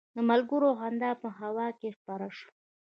د ملګرو خندا په هوا کې خپره شوه.